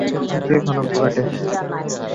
পরিস্থিতি এখনও বেশ ঘোলাটে।